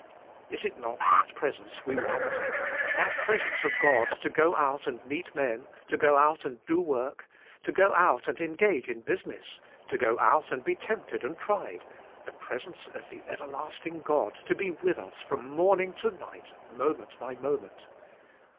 Is it not that presence we want? That presence of God to g^o out and meet men, to g'o out and do work, to go out and engage in business, to g'o out and be tempted and tried, the presence of the Everlasting God to be with us from morning" to nig ht, moment by moment.